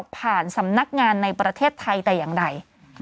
สำนักงานในประเทศไทยแต่อย่างใด